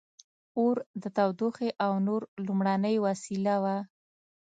• اور د تودوخې او نور لومړنۍ وسیله وه.